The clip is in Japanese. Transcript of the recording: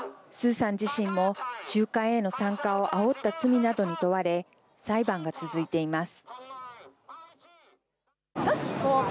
鄒さん自身も、集会への参加をあおった罪などに問われ、裁判が続いています。